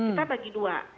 kita bagi dua